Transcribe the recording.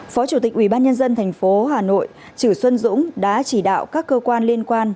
phó chủ tịch ubnd tp hà nội chử xuân dũng đã chỉ đạo các cơ quan liên quan